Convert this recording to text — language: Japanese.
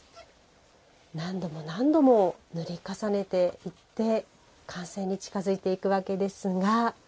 何度も何度も塗り重ねていって完成に近づいていくわけですが。